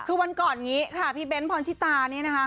คือวันก่อนนี้ค่ะพี่เบ้นพรชิตานี่นะคะ